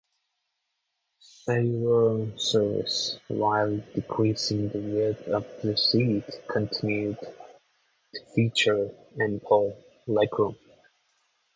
Saver Service, while decreasing the width of the seats, continued to feature ample legroom.